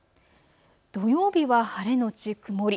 土曜日は晴れ後曇り